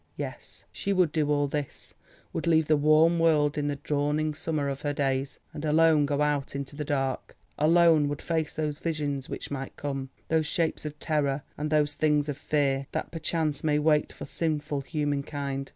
Yes, she would do all this, would leave the warm world in the dawning summer of her days, and alone go out into the dark—alone would face those visions which might come—those Shapes of terror, and those Things of fear, that perchance may wait for sinful human kind.